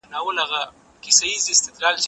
زه مخکي مينه څرګنده کړې وه!!